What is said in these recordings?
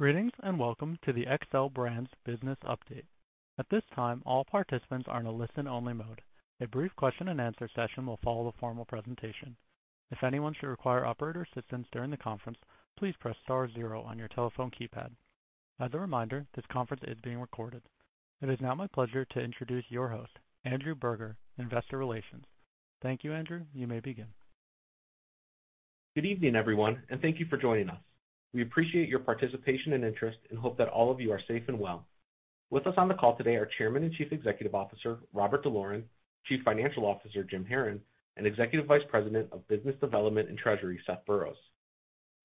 Greetings, and welcome to the Xcel Brands business update. At this time, all participants are in a listen-only mode. A brief question-and-answer session will follow the formal presentation. If anyone should require operator assistance during the conference, please press star zero on your telephone keypad. As a reminder, this conference is being recorded. It is now my pleasure to introduce your host, Andrew Berger, Investor Relations. Thank you, Andrew. You may begin. Good evening, everyone, and thank you for joining us. We appreciate your participation and interest and hope that all of you are safe and well. With us on the call today are Chairman and Chief Executive Officer, Robert D'Loren, Chief Financial Officer, Jim Haran, and Executive Vice President of Business Development and Treasury, Seth Burroughs.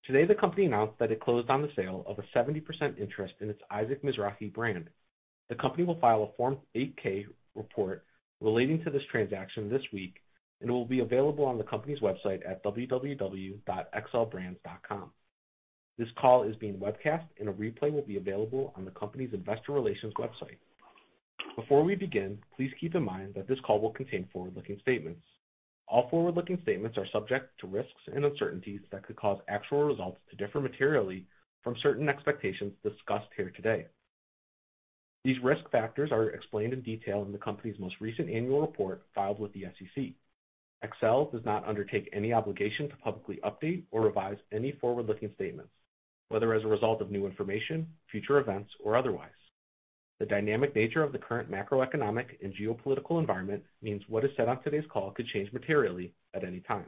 Today, the company announced that it closed on the sale of a 70% interest in its Isaac Mizrahi brand. The company will file a Form 8-K report relating to this transaction this week, and it will be available on the company's website at www.xcelbrands.com. This call is being webcast, and a replay will be available on the company's investor relations website. Before we begin, please keep in mind that this call will contain forward-looking statements. All forward-looking statements are subject to risks and uncertainties that could cause actual results to differ materially from certain expectations discussed here today. These risk factors are explained in detail in the company's most recent annual report filed with the SEC. Xcel does not undertake any obligation to publicly update or revise any forward-looking statements, whether as a result of new information, future events, or otherwise. The dynamic nature of the current macroeconomic and geopolitical environment means what is said on today's call could change materially at any time.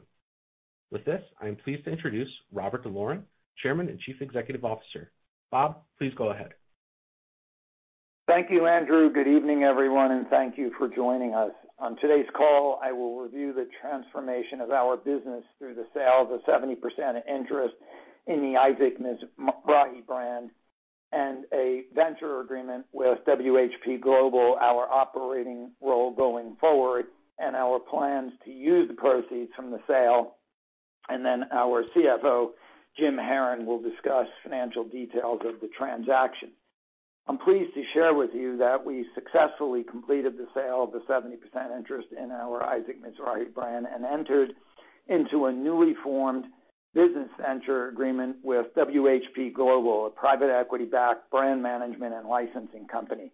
With this, I am pleased to introduce Robert D'Loren, Chairman and Chief Executive Officer. Bob, please go ahead. Thank you, Andrew. Good evening, everyone, and thank you for joining us. On today's call, I will review the transformation of our business through the sale of the 70% interest in the Isaac Mizrahi brand and a venture agreement with WHP Global, our operating role going forward, and our plans to use the proceeds from the sale. Our CFO, Jim Haran, will discuss financial details of the transaction. I'm pleased to share with you that we successfully completed the sale of the 70% interest in our Isaac Mizrahi brand and entered into a newly formed business venture agreement with WHP Global, a private equity-backed brand management and licensing company.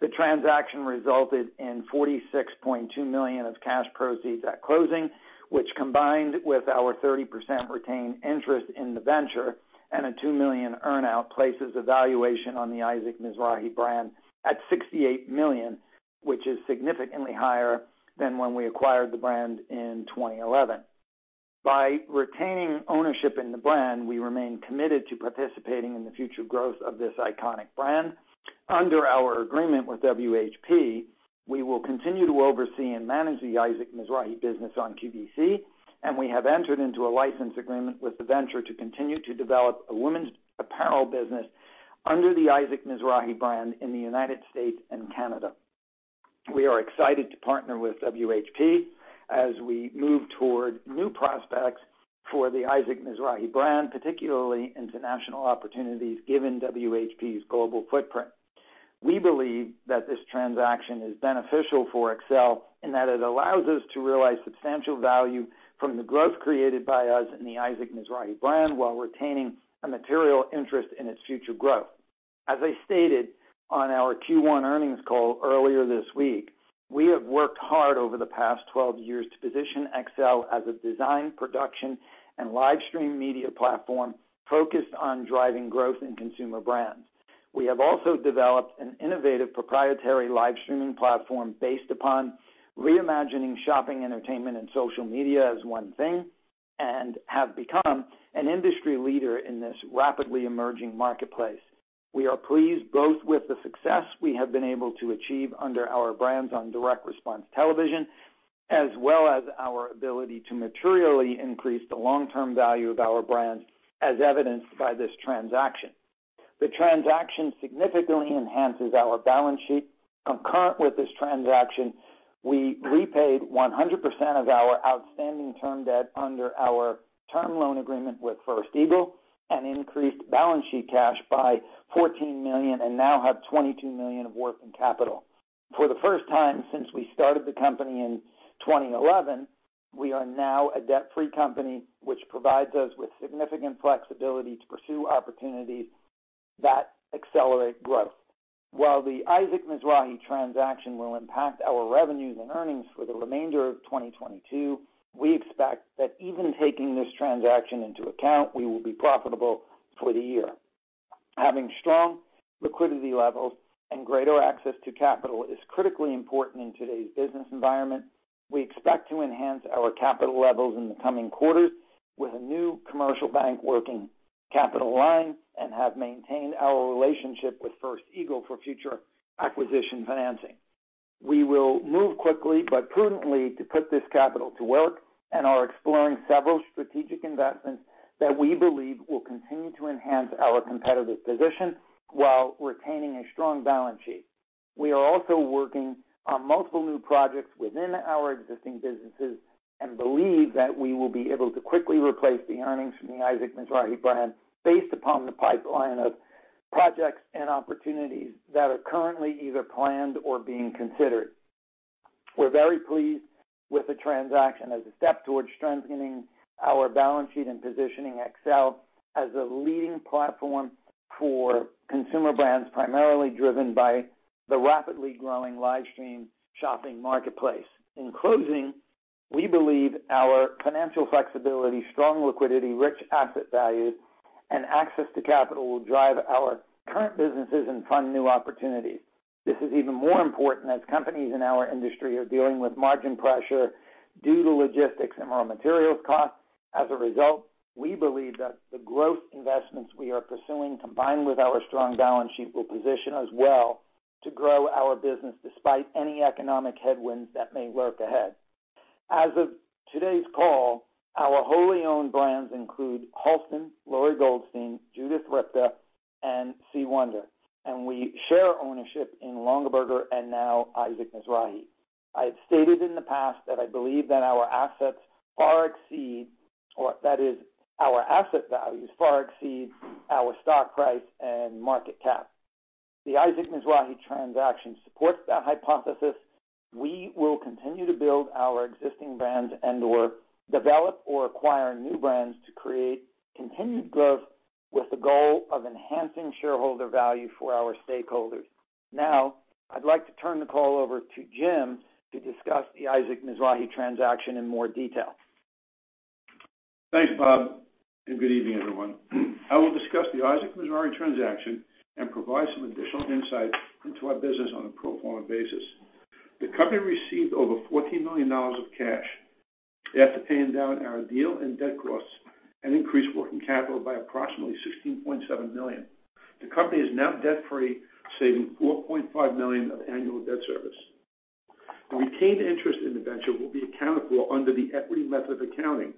The transaction resulted in $46.2 million of cash proceeds at closing, which combined with our 30% retained interest in the venture and a $2 million earn-out, places a valuation on the Isaac Mizrahi brand at $68 million, which is significantly higher than when we acquired the brand in 2011. By retaining ownership in the brand, we remain committed to participating in the future growth of this iconic brand. Under our agreement with WHP Global, we will continue to oversee and manage the Isaac Mizrahi business on QVC, and we have entered into a license agreement with the venture to continue to develop a women's apparel business under the Isaac Mizrahi brand in the United States and Canada. We are excited to partner with WHP Global as we move toward new prospects for the Isaac Mizrahi brand, particularly international opportunities, given WHP Global's global footprint. We believe that this transaction is beneficial for Xcel in that it allows us to realize substantial value from the growth created by us in the Isaac Mizrahi brand while retaining a material interest in its future growth. As I stated on our Q1 earnings call earlier this week, we have worked hard over the past 12 years to position Xcel as a design, production and live stream media platform focused on driving growth in consumer brands. We have also developed an innovative proprietary live streaming platform based upon reimagining shopping, entertainment and social media as one thing, and have become an industry leader in this rapidly emerging marketplace. We are pleased both with the success we have been able to achieve under our brands on direct response television, as well as our ability to materially increase the long-term value of our brands as evidenced by this transaction. The transaction significantly enhances our balance sheet. Concurrent with this transaction, we repaid 100% of our outstanding term debt under our term loan agreement with First Eagle and increased balance sheet cash by $14 million and now have $22 million of working capital. For the first time since we started the company in 2011, we are now a debt-free company, which provides us with significant flexibility to pursue opportunities that accelerate growth. While the Isaac Mizrahi transaction will impact our revenues and earnings for the remainder of 2022, we expect that even taking this transaction into account, we will be profitable for the year. Having strong liquidity levels and greater access to capital is critically important in today's business environment. We expect to enhance our capital levels in the coming quarters with a new commercial bank working capital line and have maintained our relationship with First Eagle for future acquisition financing. We will move quickly but prudently to put this capital to work and are exploring several strategic investments that we believe will continue to enhance our competitive position while retaining a strong balance sheet. We are also working on multiple new projects within our existing businesses and believe that we will be able to quickly replace the earnings from the Isaac Mizrahi brand based upon the pipeline of projects and opportunities that are currently either planned or being considered. We're very pleased with the transaction as a step towards strengthening our balance sheet and positioning Xcel as a leading platform for consumer brands, primarily driven by the rapidly growing live stream shopping marketplace. In closing, we believe our financial flexibility, strong liquidity, rich asset value, and access to capital will drive our current businesses and fund new opportunities. This is even more important as companies in our industry are dealing with margin pressure due to logistics and raw materials costs. As a result, we believe that the growth investments we are pursuing, combined with our strong balance sheet, will position us well to grow our business despite any economic headwinds that may lurk ahead. As of today's call, our wholly owned brands include Halston, Lori Goldstein, Judith Ripka, and C. Wonder, and we share ownership in Longaberger and now Isaac Mizrahi. I have stated in the past that I believe that our asset values far exceed our stock price and market cap. The Isaac Mizrahi transaction supports that hypothesis. We will continue to build our existing brands and/or develop or acquire new brands to create continued growth with the goal of enhancing shareholder value for our stakeholders. Now, I'd like to turn the call over to Jim to discuss the Isaac Mizrahi transaction in more detail. Thanks, Bob, and good evening, everyone. I will discuss the Isaac Mizrahi transaction and provide some additional insight into our business on a pro forma basis. The company received over $14 million of cash after paying down our deal and debt costs and increased working capital by approximately $16.7 million. The company is now debt-free, saving $4.5 million of annual debt service. The retained interest in the venture will be accounted for under the equity method of accounting.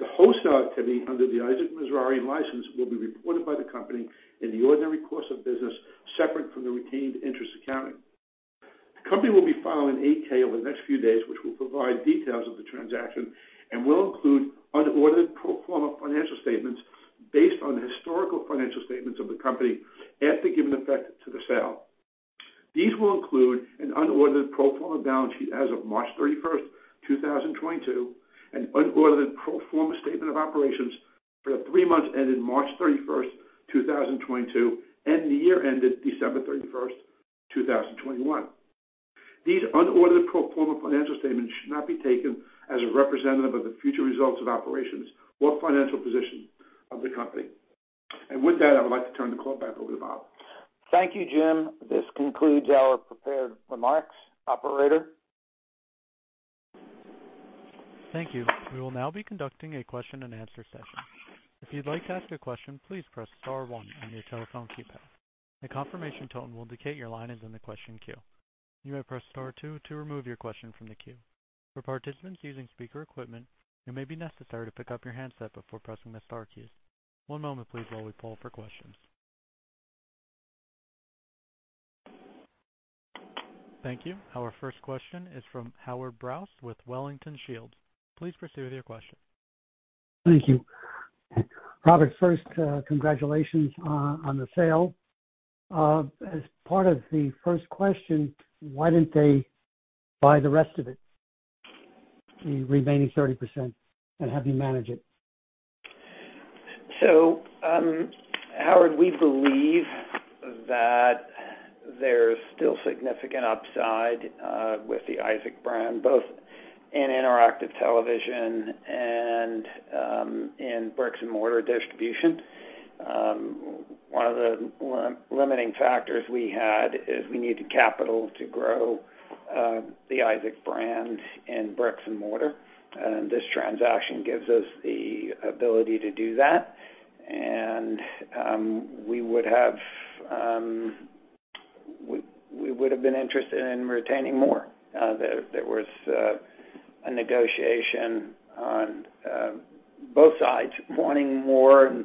The wholesale activity under the Isaac Mizrahi license will be reported by the company in the ordinary course of business, separate from the retained interest accounting. The company will be filing an 8-K over the next few days, which will provide details of the transaction and will include unaudited pro forma financial statements based on the historical financial statements of the company after giving effect to the sale. These will include an unaudited pro forma balance sheet as of March 31st, 2022, an unaudited pro forma statement of operations for the three months ended March 31st, 2022, and the year ended December 31st, 2021. These unaudited pro forma financial statements should not be taken as representative of the future results of operations or financial position of the company. With that, I would like to turn the call back over to Bob. Thank you, Jim. This concludes our prepared remarks. Operator? Thank you. We will now be conducting a question-and-answer session. If you'd like to ask a question, please press star one on your telephone keypad. A confirmation tone will indicate your line is in the question queue. You may press star two to remove your question from the queue. For participants using speaker equipment, it may be necessary to pick up your handset before pressing the star keys. One moment please while we poll for questions. Thank you. Our first question is from Howard Brous with Wellington Shields. Please proceed with your question. Thank you. Robert, first, congratulations on the sale. As part of the first question, why didn't they buy the rest of it, the remaining 30%, and have you manage it? Howard, we believe that there's still significant upside with the Isaac Mizrahi brand, both in interactive television and in bricks and mortar distribution. One of the limiting factors we had is we needed capital to grow the Isaac Mizrahi brand in bricks and mortar, and this transaction gives us the ability to do that. We would've been interested in retaining more. There was a negotiation on both sides wanting more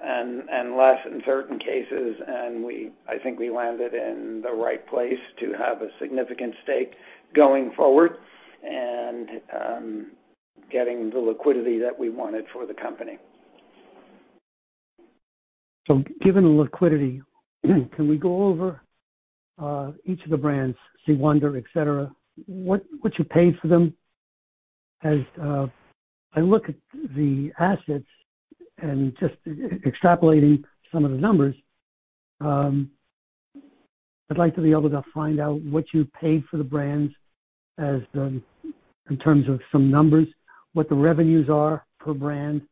and less in certain cases, and I think we landed in the right place to have a significant stake going forward and getting the liquidity that we wanted for the company. Given the liquidity, can we go over each of the brands, C. Wonder, et cetera? What you paid for them? As I look at the assets and just extrapolating some of the numbers, I'd like to be able to find out what you paid for the brands in terms of some numbers, what the revenues are per brand.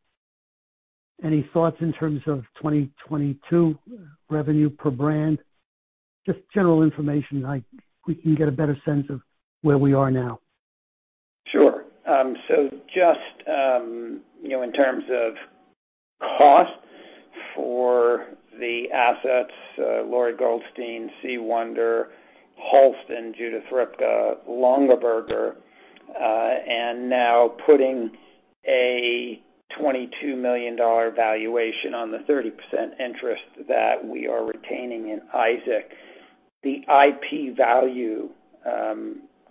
Any thoughts in terms of 2022 revenue per brand? Just general information, like, we can get a better sense of where we are now. Sure. Just, you know, in terms of cost for the assets, Lori Goldstein, C. Wonder, Halston, Judith Ripka, Longaberger, and now putting a $22 million valuation on the 30% interest that we are retaining in Isaac Mizrahi, the IP value,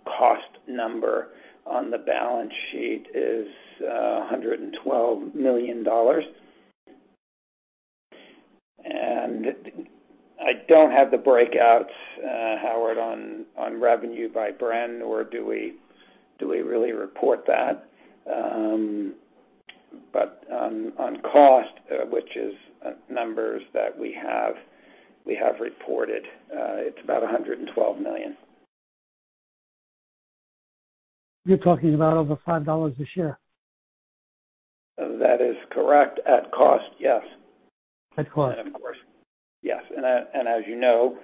cost number on the balance sheet is $112 million. I don't have the breakouts, Howard, on revenue by brand, nor do we really report that. On cost, which is numbers that we have, we have reported, it's about $112 million. You're talking about over $5 a share. That is correct. At cost, yes. At cost. Of course, yes. As you know,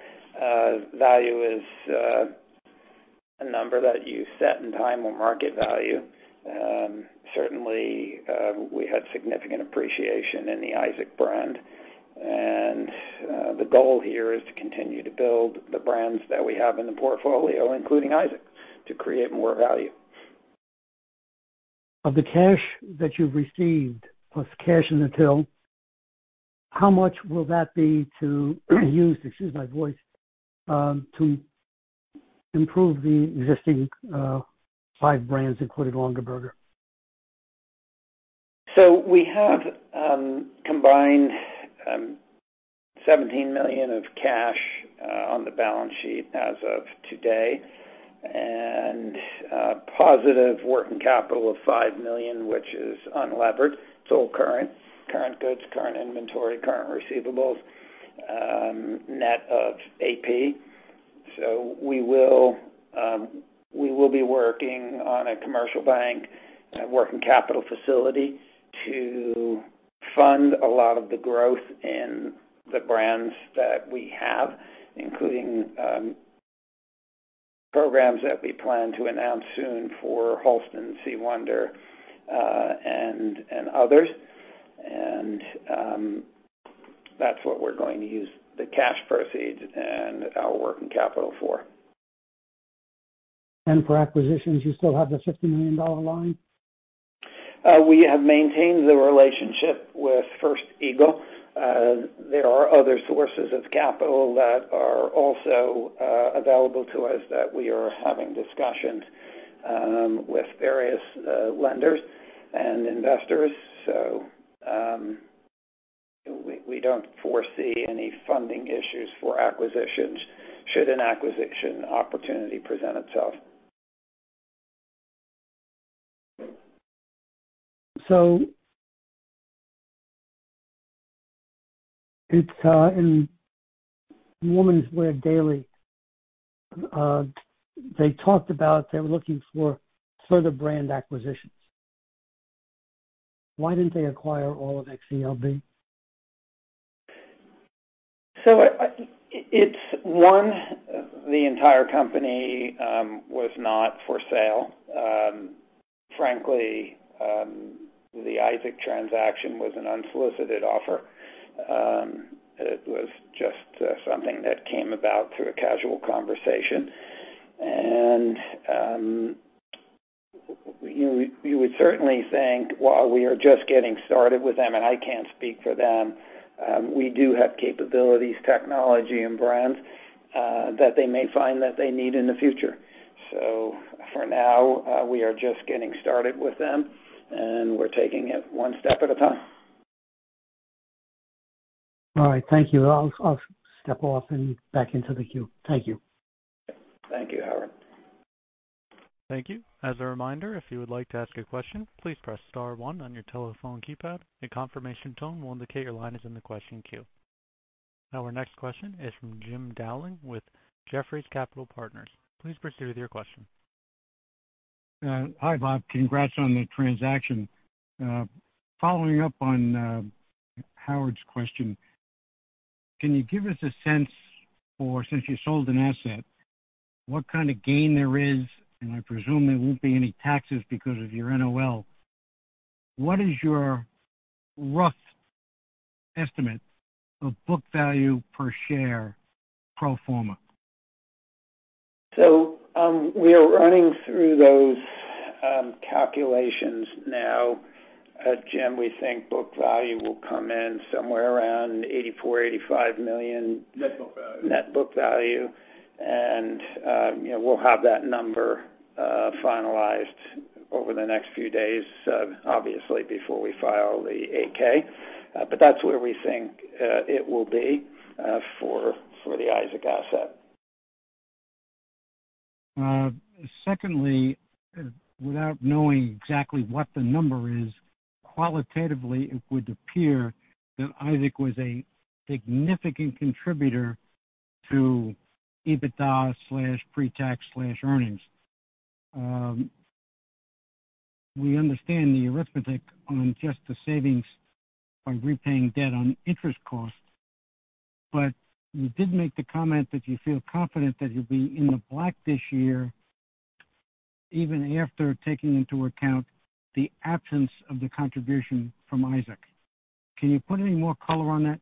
value is a number that you set in time or market value. Certainly, we had significant appreciation in the Isaac Mizrahi brand. The goal here is to continue to build the brands that we have in the portfolio, including Isaac Mizrahi, to create more value. Of the cash that you've received, plus cash in the till, how much will that be to use, excuse my voice, to improve the existing five brands, including Longaberger? We have combined $17 million of cash on the balance sheet as of today, and positive working capital of $5 million, which is unlevered. It's all current goods, current inventory, current receivables, net of AP. We will be working on a commercial bank working capital facility to fund a lot of the growth in the brands that we have, including programs that we plan to announce soon for Halston, C. Wonder, and others. That's what we're going to use the cash proceeds and our working capital for. For acquisitions, you still have the $50 million line? We have maintained the relationship with First Eagle. There are other sources of capital that are also available to us that we are having discussions with various lenders and investors. We don't foresee any funding issues for acquisitions should an acquisition opportunity present itself. It's in Women's Wear Daily. They talked about they're looking for further brand acquisitions. Why didn't they acquire all of XELB? The entire company was not for sale. Frankly, the Isaac Mizrahi transaction was an unsolicited offer. It was just something that came about through a casual conversation. You would certainly think while we are just getting started with them, and I can't speak for them, we do have capabilities, technology, and brands that they may find that they need in the future. For now, we are just getting started with them, and we're taking it one step at a time. All right. Thank you. I'll step off and back into the queue. Thank you. Thank you, Howard. Thank you. As a reminder, if you would like to ask a question, please press star one on your telephone keypad. A confirmation tone will indicate your line is in the question queue. Now our next question is from Jim Dowling with Jefferies Capital Partners. Please proceed with your question. Hi, Bob. Congrats on the transaction. Following up on Howard's question, can you give us a sense for since you sold an asset, what kind of gain there is, and I presume there won't be any taxes because of your NOL. What is your rough estimate of book value per share pro forma? We are running through those calculations now. Jim, we think book value will come in somewhere around $84 million-$85 million. Net book value. Net book value. You know, we'll have that number finalized over the next few days, obviously before we file the 8-K. That's where we think it will be for the Isaac Mizrahi asset. Secondly, without knowing exactly what the number is, qualitatively, it would appear that Isaac Mizrahi was a significant contributor to EBITDA, pre-tax earnings. We understand the arithmetic on just the savings by repaying debt on interest costs, but you did make the comment that you feel confident that you'll be in the black this year, even after taking into account the absence of the contribution from Isaac Mizrahi. Can you put any more color on that?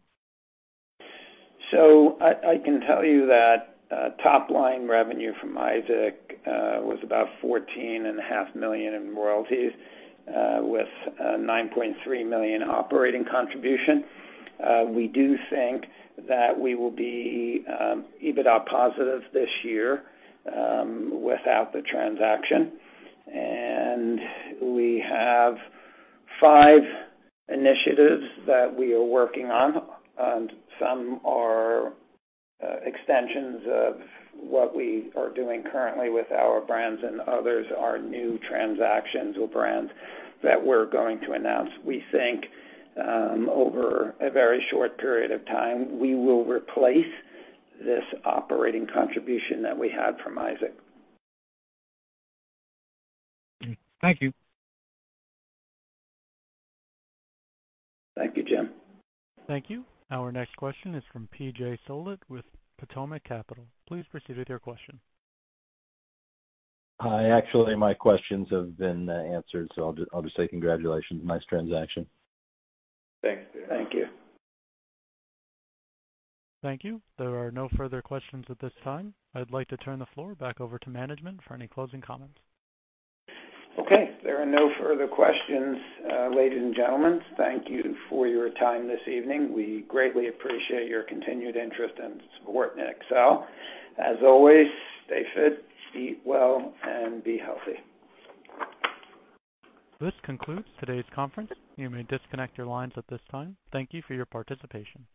I can tell you that top line revenue from Isaac Mizrahi was about $14.5 million in royalties, with $9.3 million operating contribution. We do think that we will be EBITDA positive this year without the transaction. We have five initiatives that we are working on, and some are extensions of what we are doing currently with our brands, and others are new transactions or brands that we're going to announce. We think over a very short period of time, we will replace this operating contribution that we had from Isaac Mizrahi. Thank you. Thank you, Jim. Thank you. Our next question is from P.J. Solit with Potomac Capital. Please proceed with your question. Hi. Actually, my questions have been answered, so I'll just say congratulations. Nice transaction. Thank you. Thank you. Thank you. There are no further questions at this time. I'd like to turn the floor back over to management for any closing comments. Okay, if there are no further questions, ladies and gentlemen, thank you for your time this evening. We greatly appreciate your continued interest and support in Xcel. As always, stay fit, eat well, and be healthy. This concludes today's conference. You may disconnect your lines at this time. Thank you for your participation.